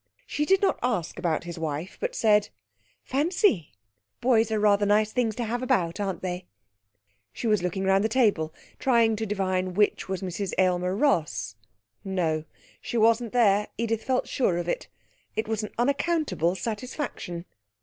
She did not ask about his wife, but said: 'Fancy! Boys are rather nice things to have about, aren't they?' She was looking round the table, trying to divine which was Mrs Aylmer Ross. No, she wasn't there. Edith felt sure of it. It was an unaccountable satisfaction.